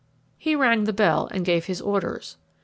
He rang the bell and gave his orders.